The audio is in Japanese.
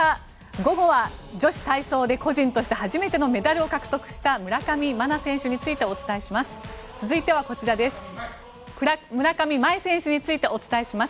午後は女子体操で個人として初めてのメダルを獲得した村上茉愛選手についてお伝えします。